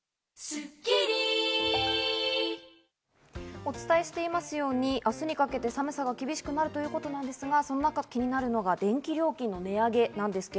お伝えしていますように明日にかけて寒さが厳しくなるということですが、その中でも気になるのが電気料金の値上げです。